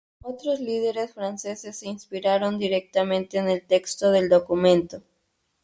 Otros líderes franceses se inspiraron directamente en el texto del documento.